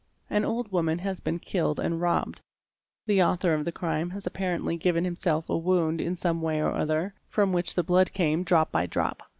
An old woman had been killed and robbed. The author of the crime had apparently given himself a wound in some way or other, from which the blood came drop by drop.